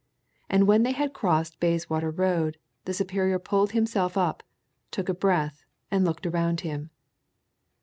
And when they had crossed Bayswater Road the superior pulled himself up, took a breath, and looked around him.